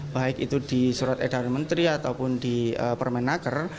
baik itu di surat edaran menteri ataupun di permenaker